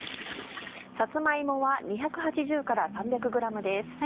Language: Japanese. さつま芋は２８０から３００ｇです。